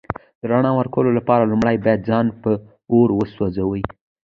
د رڼا ورکولو لپاره لومړی باید ځان په اور وسوځوئ.